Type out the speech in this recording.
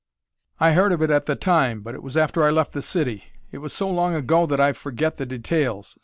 "I heard of it at the time, but it was after I left the city. It was so long ago that I forget the details.